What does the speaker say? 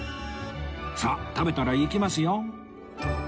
さあ食べたら行きますよ！